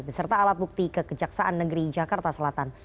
beserta alat bukti kekejaksaan negeri jakarta selatan